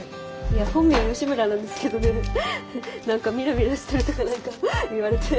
いや本名は吉村なんですけどね何かミラミラしてるとか何か言われて。